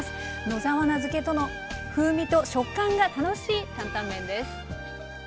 野沢菜漬けとの風味と食感が楽しい担々麺です。